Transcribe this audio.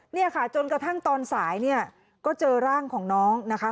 เนี่ยค่ะจนกระทั่งตอนสายเนี่ยก็เจอร่างของน้องนะคะ